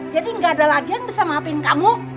jadi gak ada lagi yang bisa maafin kamu